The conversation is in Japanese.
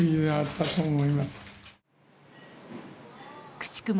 くしくも